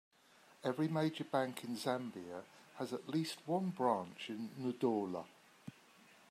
Every Major bank in Zambia has at least one branch in Ndola.